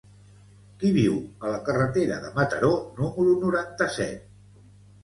Qui viu a la carretera de Mataró número noranta-set?